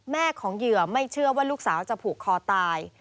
ของเหยื่อไม่เชื่อว่าลูกสาวจะผูกคอตาย